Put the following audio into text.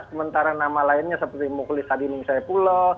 sementara nama lainnya seperti mukulisadini nusayapulo